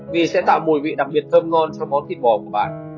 vì sẽ tạo mùi vị đặc biệt thơm ngon cho món thịt bò của bạn